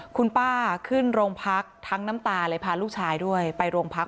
คุณป้าขึ้นโรงพักทั้งน้ำตาเลยพาลูกชายด้วยไปโรงพัก